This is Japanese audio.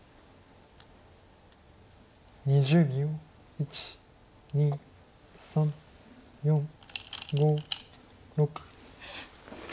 １２３４５６。